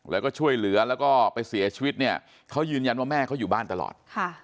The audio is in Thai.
แล้วก็ช่วยเหลือแล้วก็ไปเสียชีวิตเนี่ยเขายืนยันว่าแม่เขาอยู่บ้านตลอด